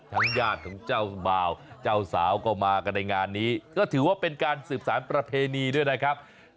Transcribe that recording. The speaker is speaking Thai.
ญาติของเจ้าบ่าวเจ้าสาวก็มากันในงานนี้ก็ถือว่าเป็นการสืบสารประเพณีด้วยนะครับ